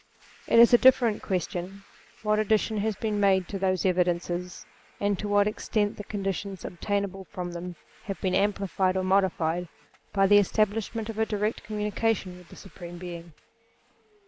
It is a different question what addition has been made to those evidences, and to what extent the conclusions obtainable from them have been amplified or modified, by the establishment of a direct communi cation with the Supreme Being.